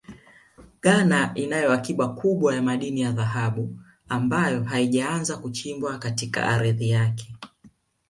Ghana inayo akiba kubwa ya madini ya dhahabu ambayo haijaanza kuchimbwa katika ardhi yake